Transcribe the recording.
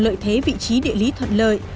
lợi thế vị trí địa lý thuận lợi